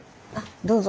どうぞ。